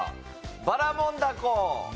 ばらもん凧。